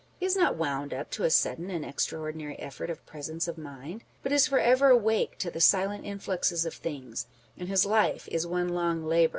He is not wound up to a sudden and extraordinary effort of presence of mind ; but is for ever awake to the silent influxes of things, and his life is one long labour.